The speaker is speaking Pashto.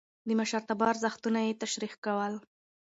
د مشرتابه ارزښتونه يې تشريح کول.